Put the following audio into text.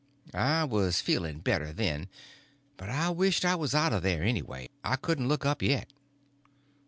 I was feeling better then, but I wished I was out of there, anyway. I couldn't look up yet.